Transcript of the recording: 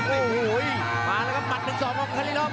โอ้โห้ยมาแล้วกับหมัดหนึ่งสองของคัลลี่รอบ